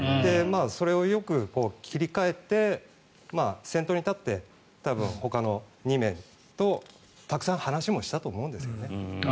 それをよく切り替えて先頭に立って多分、ほかの２名とたくさん話もしたと思うんですよね。